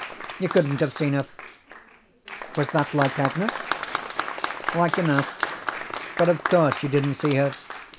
"You couldn't have seen her." "Was that like Agnes?" "Like enough; but of course you didn't see her.